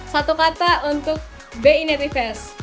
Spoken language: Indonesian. satu kata untuk benetivest